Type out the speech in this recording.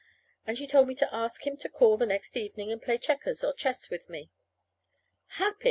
And she told me to ask him to call the next evening and play checkers or chess with me. Happy?